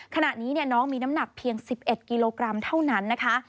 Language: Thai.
ขณะนี้น้องมีน้ำหนักเพียง๑๑กิโลกรัมเท่านั้นนะคะ